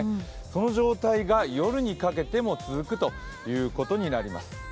その状態が夜にかけても続くということになります。